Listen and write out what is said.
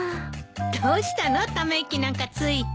どうしたのため息なんかついて。